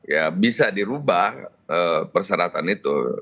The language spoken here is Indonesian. ya bisa dirubah persyaratan itu